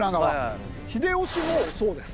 秀吉もそうです。